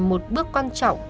một bước quan trọng